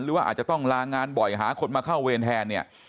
หรือว่าอาจจะต้องลางานบ่อยหาคนมาเข้าเวรแทนเนี่ย